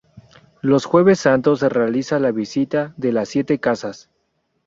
Los Jueves Santos se realiza la "Visita de las Siete casas".